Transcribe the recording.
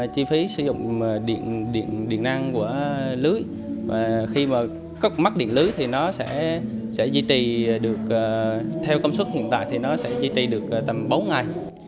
chi phí sử dụng điện năng của lưới và khi mắc điện lưới thì nó sẽ giữ được tầm bốn ngày